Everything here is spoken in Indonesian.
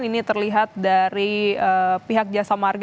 ini terlihat dari pihak jasa marga